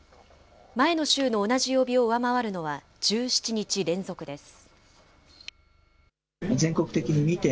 前の週の同じ曜日を上回るのは１７日連続です。